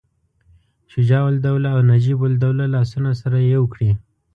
شجاع الدوله او نجیب الدوله لاسونه سره یو کړي.